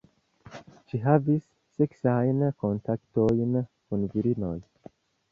Ŝi havis seksajn kontaktojn kun virinoj.